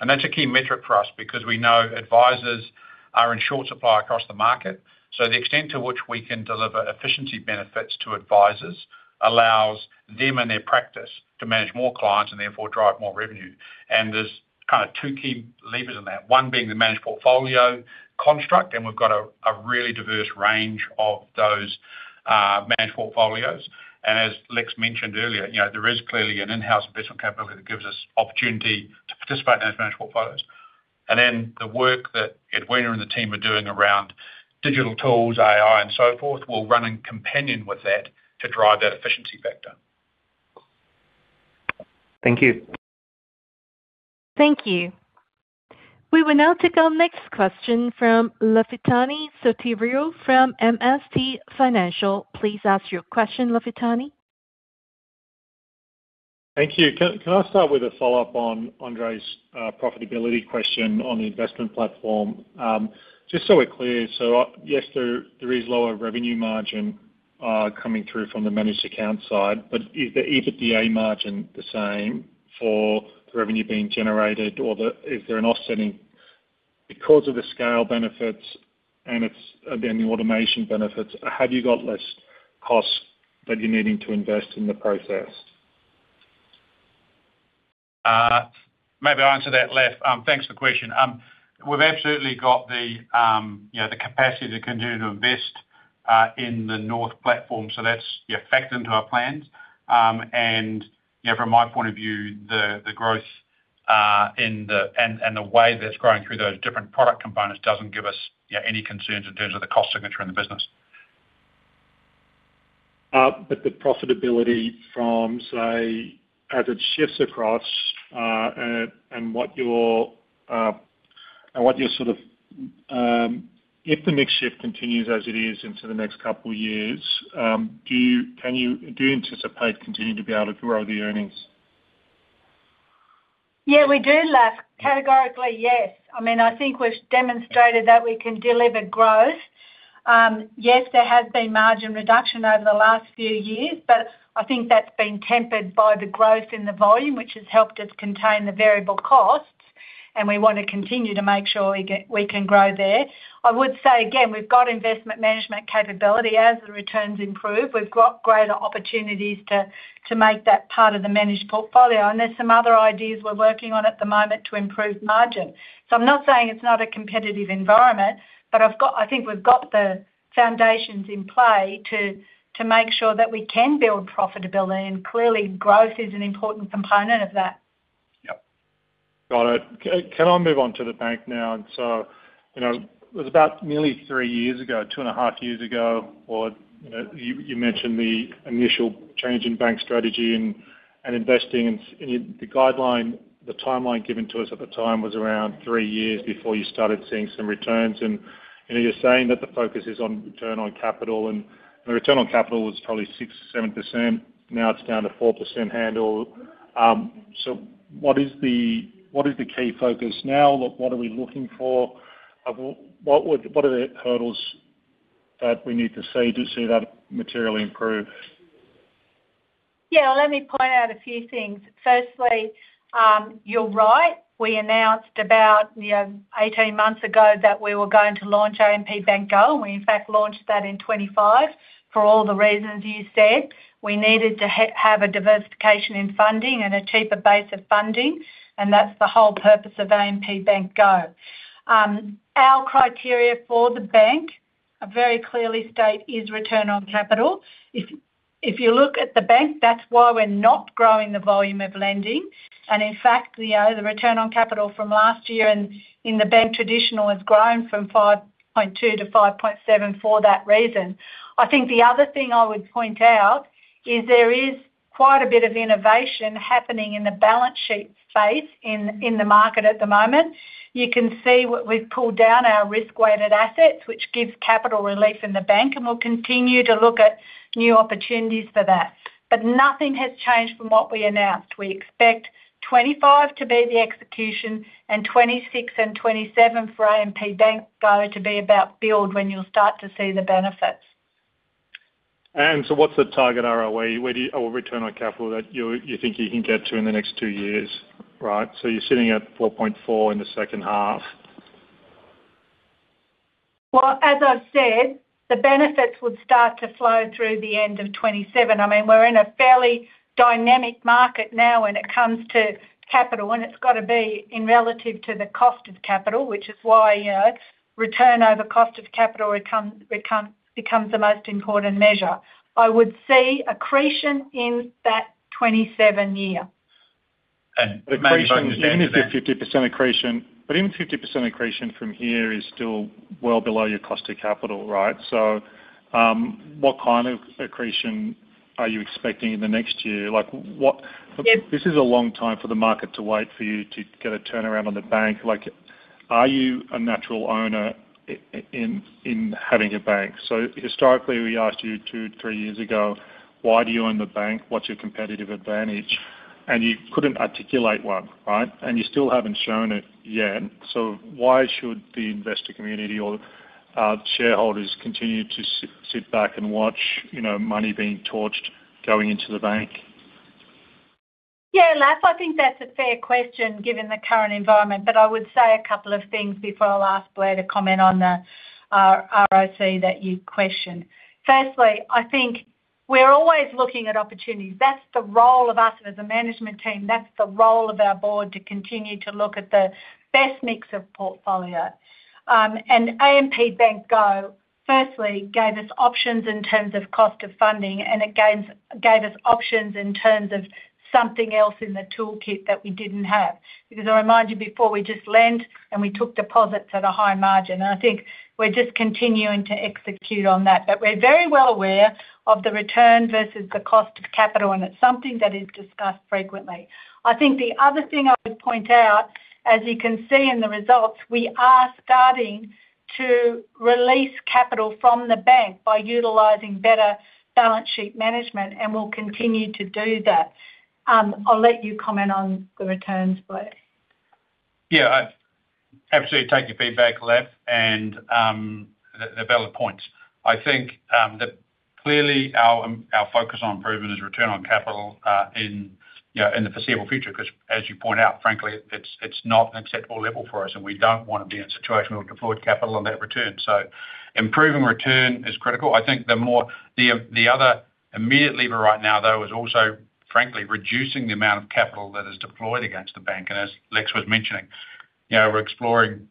[SPEAKER 3] And that's a key metric for us because we know advisors are in short supply across the market. So the extent to which we can deliver efficiency benefits to advisors allows them and their practice to manage more clients and therefore drive more revenue. And there's kind of two key levers in that, one being the managed portfolio construct, and we've got a really diverse range of those managed portfolios. And as Lex mentioned earlier, there is clearly an in-house investment capability that gives us opportunity to participate in those managed portfolios. And then the work that Edwina and the team are doing around digital tools, AI, and so forth will run in companion with that to drive that efficiency factor.
[SPEAKER 5] Thank you.
[SPEAKER 1] Thank you. We will now take our next question from Lafitani Sotiriou from MST Financial. Please ask your question, Lafitani.
[SPEAKER 6] Thank you. Can I start with a follow-up on Andre's profitability question on the investment platform? Just so we're clear, so yes, there is lower revenue margin coming through from the managed account side, but is the EBITDA margin the same for the revenue being generated, or is there an offsetting because of the scale benefits and then the automation benefits, have you got less costs that you're needing to invest in the process?
[SPEAKER 3] Maybe I'll answer that, Laf. Thanks for the question. We've absolutely got the capacity to continue to invest in the North platform, so that's factored into our plans. And from my point of view, the growth and the way that it's growing through those different product components doesn't give us any concerns in terms of the cost signature in the business.
[SPEAKER 6] But the profitability from, say, as it shifts across and what your sort of if the mix shift continues as it is into the next couple of years, can you anticipate continuing to be able to grow the earnings?
[SPEAKER 2] Yeah. Categorically, yes. I mean, I think we've demonstrated that we can deliver growth. Yes, there has been margin reduction over the last few years, but I think that's been tempered by the growth in the volume, which has helped us contain the variable costs, and we want to continue to make sure we can grow there. I would say, again, we've got investment management capability as the returns improve. We've got greater opportunities to make that part of the managed portfolio. And there's some other ideas we're working on at the moment to improve margin. So I'm not saying it's not a competitive environment, but I think we've got the foundations in play to make sure that we can build profitability. And clearly, growth is an important component of that.
[SPEAKER 6] Yep. Got it. Can I move on to the bank now? And so it was about nearly three years ago, 2.5 years ago, or you mentioned the initial change in bank strategy and investing. And the timeline given to us at the time was around 3 years before you started seeing some returns. And you're saying that the focus is on return on capital, and the return on capital was probably 6%-7%. Now it's down to 4% handle. So what is the key focus now? What are we looking for? What are the hurdles that we need to see that materially improve?
[SPEAKER 2] Yeah. Well, let me point out a few things. Firstly, you're right. We announced about 18 months ago that we were going to launch AMP Bank Go, and we, in fact, launched that in 2025 for all the reasons you said. We needed to have a diversification in funding and a cheaper base of funding, and that's the whole purpose of AMP Bank Go. Our criteria for the bank very clearly state is return on capital. If you look at the bank, that's why we're not growing the volume of lending. And in fact, the return on capital from last year in the bank traditional has grown from 5.2 to 5.7 for that reason. I think the other thing I would point out is there is quite a bit of innovation happening in the balance sheet space in the market at the moment. You can see we've pulled down our risk-weighted assets, which gives capital relief in the bank, and we'll continue to look at new opportunities for that. But nothing has changed from what we announced. We expect 2025 to be the execution and 2026 and 2027 for AMP Bank Go to be about build when you'll start to see the benefits.
[SPEAKER 6] And so what's the target ROI or return on capital that you think you can get to in the next two years, right? So you're sitting at 4.4 in the second half.
[SPEAKER 2] Well, as I've said, the benefits would start to flow through the end of 2027. I mean, we're in a fairly dynamic market now when it comes to capital, and it's got to be in relative to the cost of capital, which is why return over cost of capital becomes the most important measure. I would see accretion in that 2027 year.
[SPEAKER 6] And accretion is even if you're 50% accretion, but even 50% accretion from here is still well below your cost of capital, right? So what kind of accretion are you expecting in the next year? This is a long time for the market to wait for you to get a turnaround on the bank. Are you a natural owner in having a bank? So historically, we asked you two, three years ago, "Why do you own the bank? What's your competitive advantage?" And you couldn't articulate one, right? And you still haven't shown it yet. So why should the investor community or shareholders continue to sit back and watch money being torched going into the bank?
[SPEAKER 2] Yeah. Laf, I think that's a fair question given the current environment. But I would say a couple of things before I'll ask Blair to comment on the ROC that you questioned. Firstly, I think we're always looking at opportunities. That's the role of us as a management team. That's the role of our board to continue to look at the best mix of portfolio. And AMP Bank Go, firstly, gave us options in terms of cost of funding, and it gave us options in terms of something else in the toolkit that we didn't have because, I remind you, before, we just lent and we took deposits at a high margin. And I think we're just continuing to execute on that. But we're very well aware of the return versus the cost of capital, and it's something that is discussed frequently. I think the other thing I would point out, as you can see in the results, we are starting to release capital from the bank by utilizing better balance sheet management, and we'll continue to do that. I'll let you comment on the returns, Blair.
[SPEAKER 3] Yeah. I absolutely take your feedback, Laf, and they're valid points. I think that clearly, our focus on improvement is return on capital in the foreseeable future because, as you point out, frankly, it's not an acceptable level for us, and we don't want to be in a situation where we've deployed capital on that return. So improving return is critical. I think the other immediate lever right now, though, is also, frankly, reducing the amount of capital that is deployed against the bank. And as Lex was mentioning, we're exploring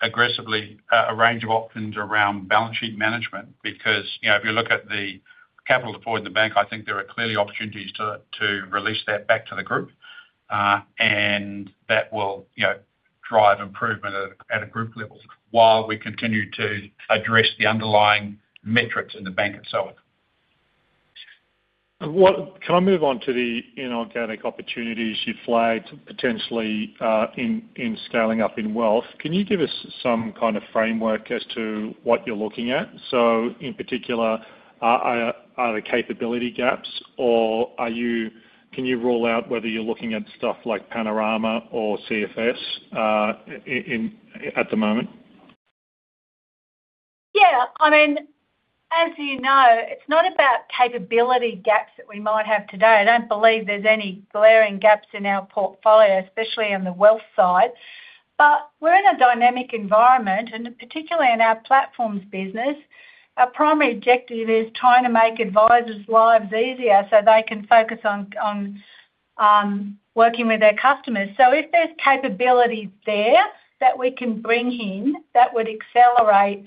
[SPEAKER 3] aggressively a range of options around balance sheet management because if you look at the capital deployed in the bank, I think there are clearly opportunities to release that back to the group, and that will drive improvement at a group level while we continue to address the underlying metrics in the bank itself.
[SPEAKER 6] Can I move on to the inorganic opportunities you flagged potentially in scaling up in wealth? Can you give us some kind of framework as to what you're looking at? So in particular, are there capability gaps, or can you rule out whether you're looking at stuff like Panorama or CFS at the moment?
[SPEAKER 2] Yeah. I mean, as you know, it's not about capability gaps that we might have today. I don't believe there's any glaring gaps in our portfolio, especially on the wealth side. But we're in a dynamic environment, and particularly in our platforms business, our primary objective is trying to make advisors' lives easier so they can focus on working with their customers. So if there's capability there that we can bring in that would accelerate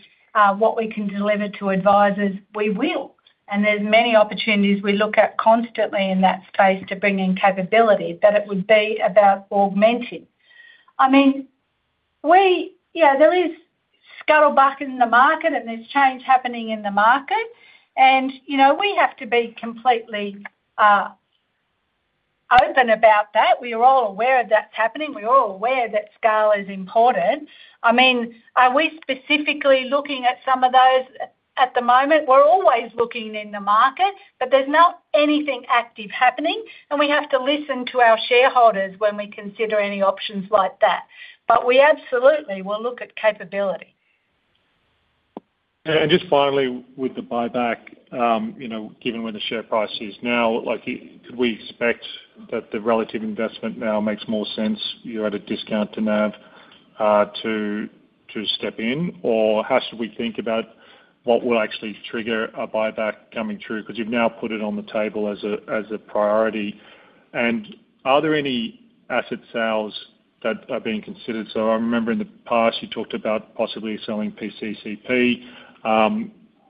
[SPEAKER 2] what we can deliver to advisors, we will. And there's many opportunities we look at constantly in that space to bring in capability, but it would be about augmenting. I mean, yeah, there is scuttlebutt in the market, and there's change happening in the market. And we have to be completely open about that. We are all aware of that's happening. We are all aware that scale is important. I mean, are we specifically looking at some of those at the moment? We're always looking in the market, but there's not anything active happening, and we have to listen to our shareholders when we consider any options like that. But we absolutely will look at capability.
[SPEAKER 6] And just finally, with the buyback, given where the share price is now, could we expect that the relative investment now makes more sense, you're at a discount to NAV, to step in? Or how should we think about what will actually trigger a buyback coming through because you've now put it on the table as a priority? And are there any asset sales that are being considered? So I remember in the past, you talked about possibly selling PCCP.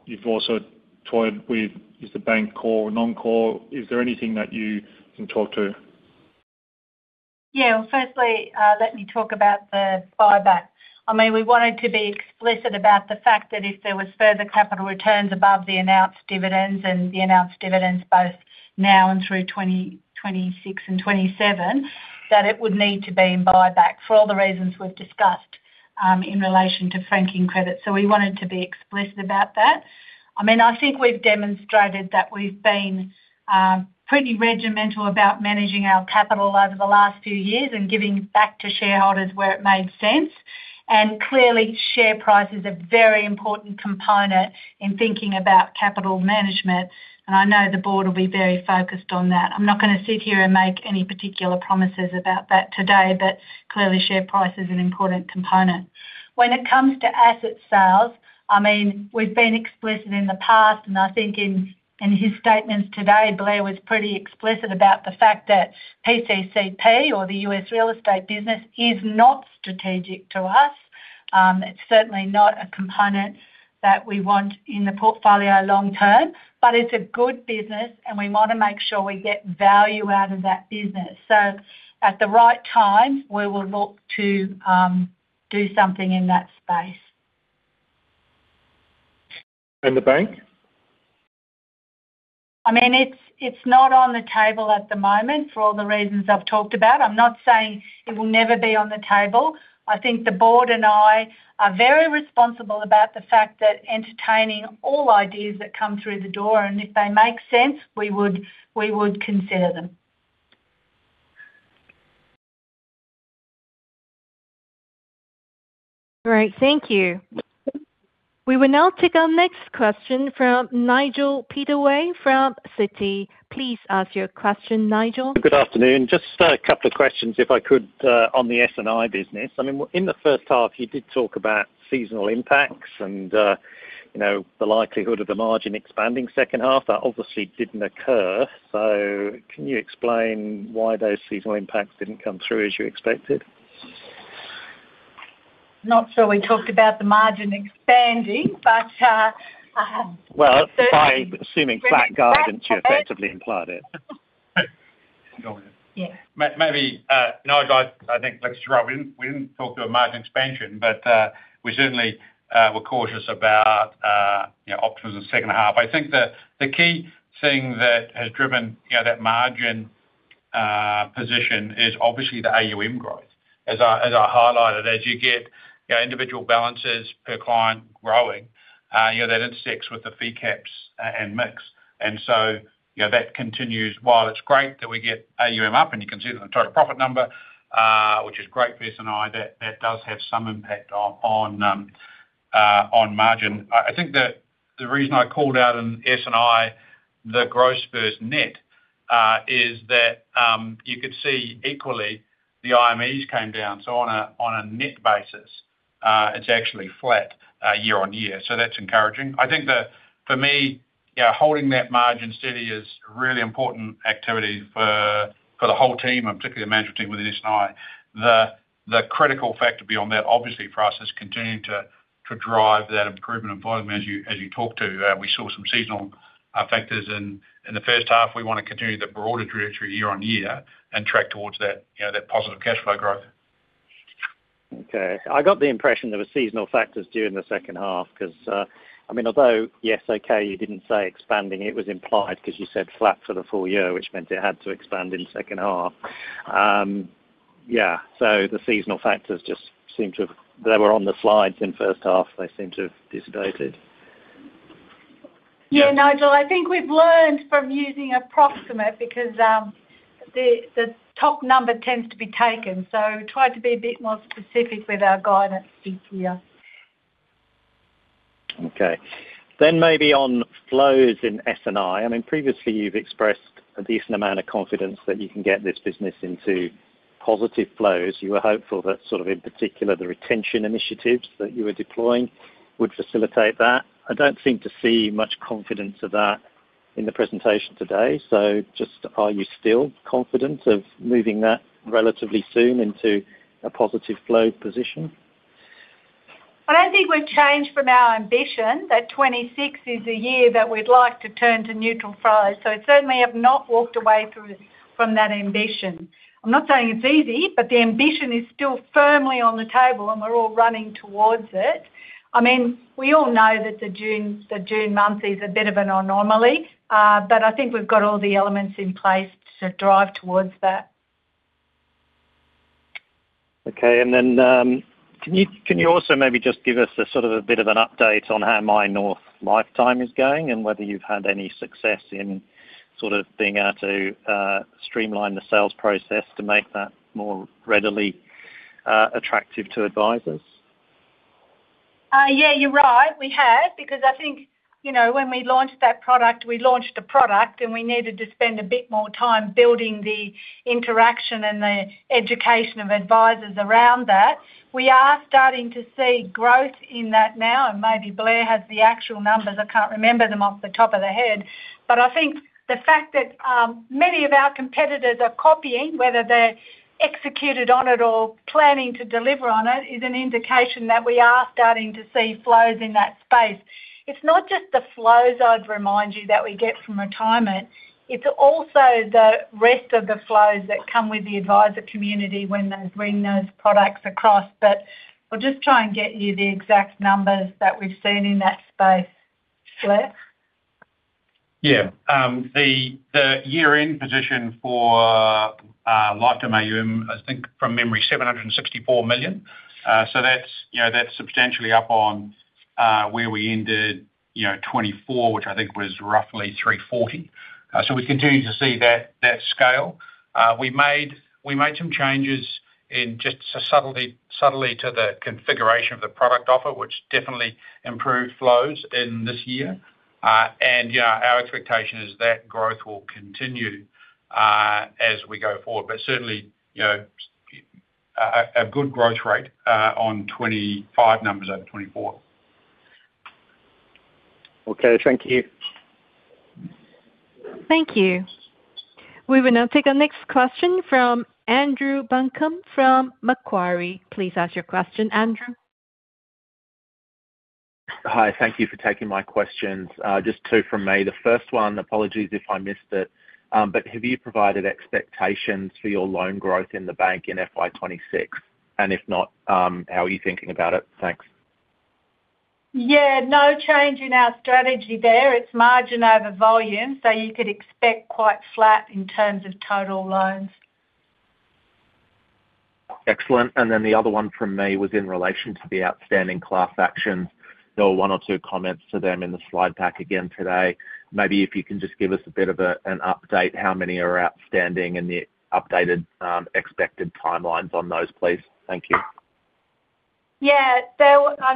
[SPEAKER 6] You've also toyed with, is the bank core or non-core? Is there anything that you can talk to?
[SPEAKER 2] Yeah. Well, firstly, let me talk about the buyback. I mean, we wanted to be explicit about the fact that if there was further capital returns above the announced dividends and the announced dividends both now and through 2026 and 2027, that it would need to be in buyback for all the reasons we've discussed in relation to franking credit. So we wanted to be explicit about that. I mean, I think we've demonstrated that we've been pretty regimental about managing our capital over the last few years and giving back to shareholders where it made sense. And clearly, share price is a very important component in thinking about capital management, and I know the board will be very focused on that. I'm not going to sit here and make any particular promises about that today, but clearly, share price is an important component. When it comes to asset sales, I mean, we've been explicit in the past, and I think in his statements today, Blair was pretty explicit about the fact that PCCP or the U.S. real estate business is not strategic to us. It's certainly not a component that we want in the portfolio long term, but it's a good business, and we want to make sure we get value out of that business. So at the right time, we will look to do something in that space.
[SPEAKER 6] And the bank?
[SPEAKER 2] I mean, it's not on the table at the moment for all the reasons I've talked about. I'm not saying it will never be on the table. I think the board and I are very responsible about the fact that entertaining all ideas that come through the door, and if they make sense, we would consider them.
[SPEAKER 1] Great. Thank you. We will now take our next question from Nigel Pittaway from Citi. Please ask your question, Nigel.
[SPEAKER 7] Good afternoon. Just a couple of questions, if I could, on the S&I business. I mean, in the first half, you did talk about seasonal impacts and the likelihood of the margin expanding second half. That obviously didn't occur. So can you explain why those seasonal impacts didn't come through as you expected?
[SPEAKER 2] Not sure we talked about the margin expanding, but so.
[SPEAKER 7] Well, by assuming flat guidance, you effectively implied it. Go ahead.
[SPEAKER 2] Yeah.
[SPEAKER 3] Maybe, Nigel, I think Lex is right. We didn't talk to a margin expansion, but we certainly were cautious about options in the second half. I think the key thing that has driven that margin position is obviously the AUM growth, as I highlighted. As you get individual balances per client growing, that intersects with the fee caps and mix. And so that continues. While it's great that we get AUM up and you can see it on the total profit number, which is great for S&I, that does have some impact on margin. I think the reason I called out in S&I the gross versus net is that you could see equally the IMEs came down. So on a net basis, it's actually flat year on year. So that's encouraging. I think for me, holding that margin steady is a really important activity for the whole team and particularly the management team within S&I. The critical factor beyond that, obviously, for us is continuing to drive that improvement in volume. As you talked to, we saw some seasonal factors in the first half. We want to continue the broader trajectory year on year and track towards that positive cash flow growth.
[SPEAKER 7] Okay. I got the impression there were seasonal factors due in the second half because, I mean, although, yes, okay, you didn't say expanding. It was implied because you said flat for the full year, which meant it had to expand in second half. Yeah. So the seasonal factors just seem to have they were on the slides in first half. They seem to have dissipated.
[SPEAKER 2] Yeah. Nigel, I think we've learned from using approximate because the top number tends to be taken. So try to be a bit more specific with our guidance this year.
[SPEAKER 7] Okay. Then maybe on flows in S&I. I mean, previously, you've expressed a decent amount of confidence that you can get this business into positive flows. You were hopeful that sort of in particular, the retention initiatives that you were deploying would facilitate that. I don't seem to see much confidence of that in the presentation today. So just are you still confident of moving that relatively soon into a positive flow position?
[SPEAKER 2] I don't think we've changed from our ambition that 2026 is a year that we'd like to turn to neutral flows. So we certainly have not walked away from that ambition. I'm not saying it's easy, but the ambition is still firmly on the table, and we're all running towards it. I mean, we all know that the June month is a bit of an anomaly, but I think we've got all the elements in place to drive towards that.
[SPEAKER 7] Okay. Then can you also maybe just give us sort of a bit of an update on how MyNorth Lifetime is going and whether you've had any success in sort of being able to streamline the sales process to make that more readily attractive to advisors?
[SPEAKER 2] Yeah. You're right. We have because I think when we launched that product, we launched a product, and we needed to spend a bit more time building the interaction and the education of advisors around that. We are starting to see growth in that now. And maybe Blair has the actual numbers. I can't remember them off the top of the head. But I think the fact that many of our competitors are copying, whether they're executed on it or planning to deliver on it, is an indication that we are starting to see flows in that space. It's not just the flows, I'd remind you, that we get from retirement. It's also the rest of the flows that come with the advisor community when they bring those products across. But I'll just try and get you the exact numbers that we've seen in that space, Blair.
[SPEAKER 3] Yeah. The year-end position for lifetime AUM, I think from memory, 764 million. So that's substantially up on where we ended 2024, which I think was roughly 340 million. So we continue to see that scale. We made some changes just subtly to the configuration of the product offer, which definitely improved flows in this year. And our expectation is that growth will continue as we go forward, but certainly a good growth rate on 2025 numbers over 2024.
[SPEAKER 7] Okay. Thank you.
[SPEAKER 1] Thank you. We will now take our next question from Andrew Buncombe from Macquarie. Please ask your question, Andrew.
[SPEAKER 8] Hi. Thank you for taking my questions. Just two from me. The first one, apologies if I missed it, but have you provided expectations for your loan growth in the bank in FY 2026? And if not, how are you thinking about it? Thanks.
[SPEAKER 2] Yeah. No change in our strategy there. It's margin over volume, so you could expect quite flat in terms of total loans.
[SPEAKER 8] Excellent. And then the other one from me was in relation to the outstanding class actions. There were one or two comments to them in the slide pack again today. Maybe if you can just give us a bit of an update, how many are outstanding, and the updated expected timelines on those, please. Thank you.
[SPEAKER 2] Yeah.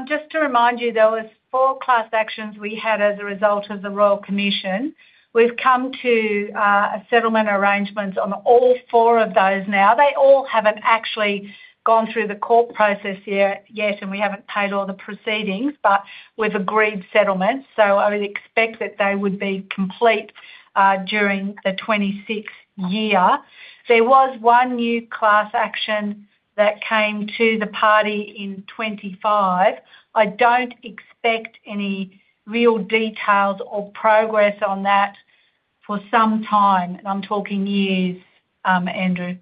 [SPEAKER 2] Just to remind you, there were four class actions we had as a result of the Royal Commission. We've come to settlement arrangements on all four of those now. They all haven't actually gone through the court process yet, and we haven't paid all the proceedings, but we've agreed settlements. So I would expect that they would be complete during the 2026 year. There was one new class action that came to the party in 2025. I don't expect any real details or progress on that for some time. And I'm talking years, Andrew.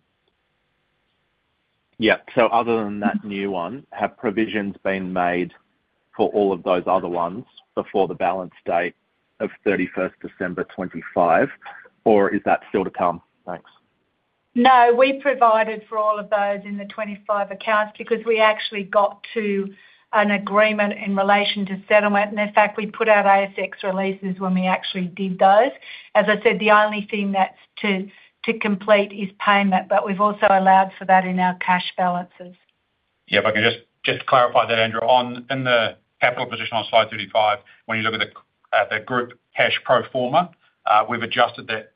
[SPEAKER 8] Yeah. So other than that new one, have provisions been made for all of those other ones before the balance date of 31st December 2025, or is that still to come? Thanks.
[SPEAKER 2] No. We provided for all of those in the 2025 accounts because we actually got to an agreement in relation to settlement. And in fact, we put out ASX releases when we actually did those. As I said, the only thing that's to complete is payment, but we've also allowed for that in our cash balances.
[SPEAKER 3] Yeah. If I can just clarify that, Andrew, in the capital position on slide 35, when you look at the group cash pro forma, we've adjusted that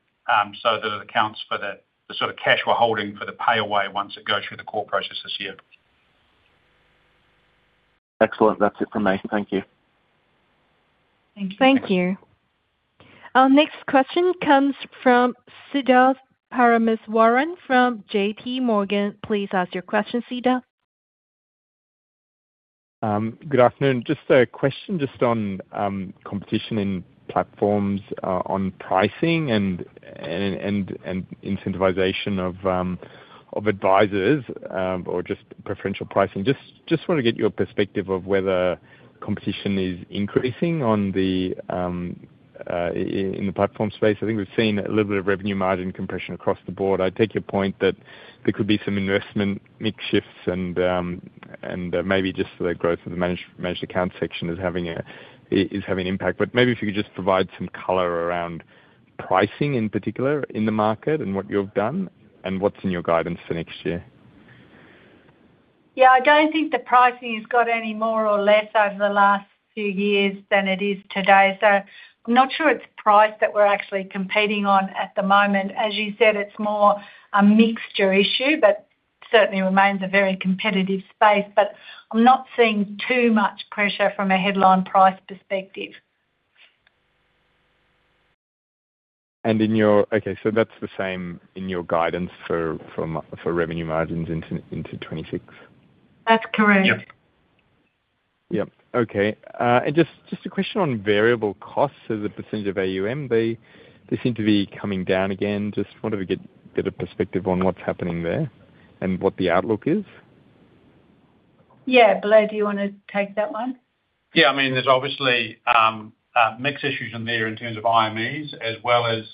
[SPEAKER 3] so that it accounts for the sort of cash we're holding for the pay away once it goes through the court process this year.
[SPEAKER 8] Excellent. That's it from me. Thank you.
[SPEAKER 2] Thank you.
[SPEAKER 1] Thank you. Our next question comes from Siddharth Parameswaran from JPMorgan. Please ask your question, Siddharth.
[SPEAKER 9] Good afternoon. Just a question just on competition in platforms on pricing and incentivisation of advisors or just preferential pricing. Just want to get your perspective of whether competition is increasing in the platform space. I think we've seen a little bit of revenue margin compression across the board. I take your point that there could be some investment mix shifts, and maybe just the growth of the managed accounts section is having an impact. But maybe if you could just provide some color around pricing in particular in the market and what you've done and what's in your guidance for next year.
[SPEAKER 2] Yeah. I don't think the pricing has got any more or less over the last few years than it is today. So I'm not sure it's price that we're actually competing on at the moment. As you said, it's more a mixture issue, but certainly remains a very competitive space. But I'm not seeing too much pressure from a headline price perspective.
[SPEAKER 9] Okay. So that's the same in your guidance for revenue margins into 2026?
[SPEAKER 2] That's correct.
[SPEAKER 3] Yep. Yep.
[SPEAKER 9] Okay. And just a question on variable costs as a percentage of AUM. They seem to be coming down again. Just wanted to get a perspective on what's happening there and what the outlook is.
[SPEAKER 2] Yeah. Blair, do you want to take that one?
[SPEAKER 3] Yeah. I mean, there's obviously mix issues in there in terms of IMEs as well as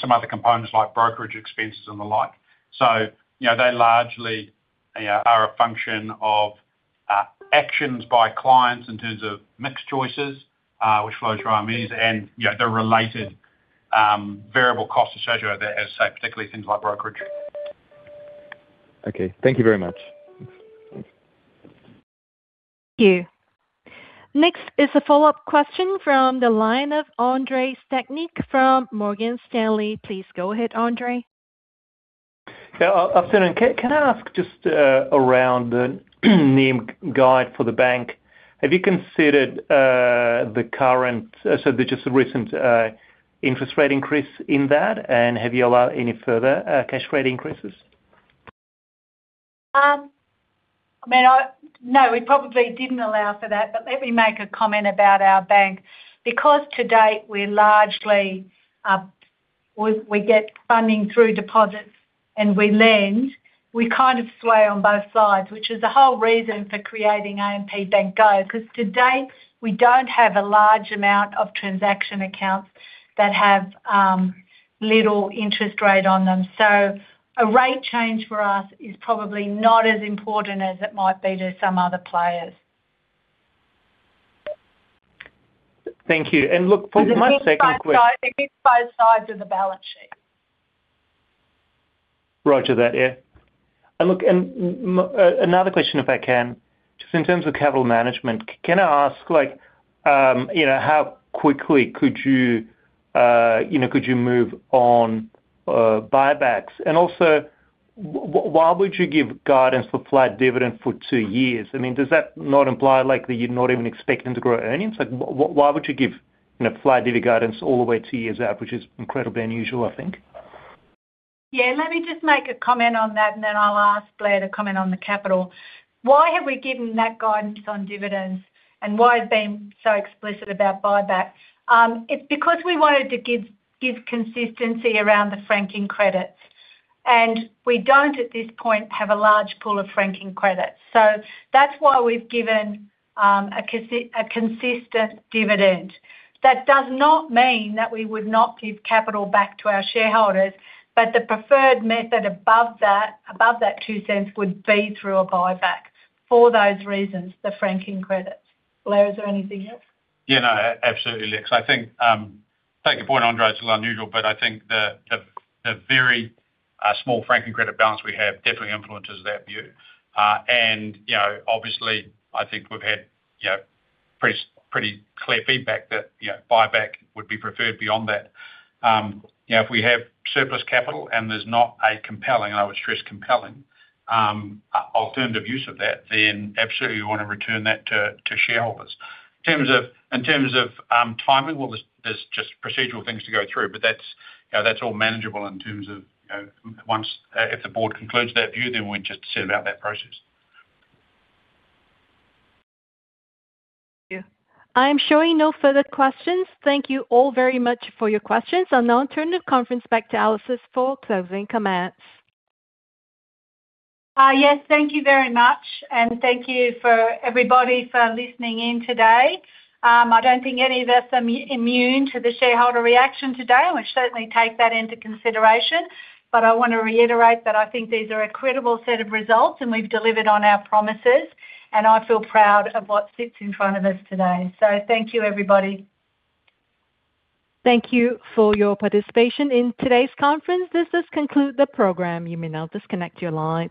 [SPEAKER 3] some other components like brokerage expenses and the like. So they largely are a function of actions by clients in terms of mix choices, which flows through IMEs, and the related variable costs associated with that, as I say, particularly things like brokerage.
[SPEAKER 9] Okay. Thank you very much. Thanks.
[SPEAKER 1] Thank you. Next is a follow-up question from the line of Andrei Stadnik from Morgan Stanley. Please go ahead, Andrei. Yeah.
[SPEAKER 5] Afternoon. Can I ask just around the NIM guide for the bank? Have you considered the current so just the recent interest rate increase in that, and have you allowed any further cash rate increases?
[SPEAKER 2] I mean, no. We probably didn't allow for that. But let me make a comment about our bank. Because to date, we get funding through deposits, and we lend, we kind of sway on both sides, which is the whole reason for creating AMP Bank Go because to date, we don't have a large amount of transaction accounts that have little interest rate on them. So a rate change for us is probably not as important as it might be to some other players.
[SPEAKER 5] Thank you. And look, for my second question.
[SPEAKER 2] It means both sides of the balance sheet.
[SPEAKER 5] Right to that, yeah. And look, and another question, if I can, just in terms of capital management, can I ask how quickly could you move on buybacks? And also, why would you give guidance for flat dividend for two years? I mean, does that not imply that you're not even expecting to grow earnings? Why would you give flat dividend guidance all the way two years out, which is incredibly unusual, I think?
[SPEAKER 2] Yeah. Let me just make a comment on that, and then I'll ask Blair to comment on the capital. Why have we given that guidance on dividends, and why have we been so explicit about buyback? It's because we wanted to give consistency around the franking credits. And we don't, at this point, have a large pool of franking credits. So that's why we've given a consistent dividend. That does not mean that we would not give capital back to our shareholders, but the preferred method above that 0.02 would be through a buyback for those reasons, the franking credits. Blair, is there anything else?
[SPEAKER 3] Yeah. No. Absolutely, Lex. I think your point, Andrew, is a little unusual, but I think the very small franking credit balance we have definitely influences that view. And obviously, I think we've had pretty clear feedback that buyback would be preferred beyond that. If we have surplus capital and there's not a compelling and I would stress compelling - alternative use of that, then absolutely, we want to return that to shareholders. In terms of timing, well, there's just procedural things to go through, but that's all manageable in terms of if the board concludes that view, then we're just set about that process.
[SPEAKER 1] Thank you. I am showing no further questions. Thank you all very much for your questions. I'll now turn the conference back to Alexis for closing comments.
[SPEAKER 2] Yes. Thank you very much. And thank you for everybody for listening in today. I don't think any of us are immune to the shareholder reaction today. I would certainly take that into consideration. But I want to reiterate that I think these are a credible set of results, and we've delivered on our promises. And I feel proud of what sits in front of us today. So thank you, everybody.
[SPEAKER 1] Thank you for your participation in today's conference. This does conclude the program. You may now disconnect your lines.